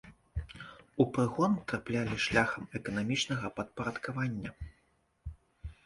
У прыгон траплялі шляхам эканамічнага падпарадкавання.